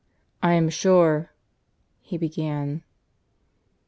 "I am sure " he began.